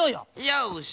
よし！